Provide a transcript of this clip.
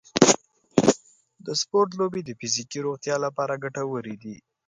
د سپورټ لوبې د فزیکي روغتیا لپاره ګټورې دي.